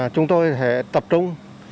chúng tôi sẽ tập trung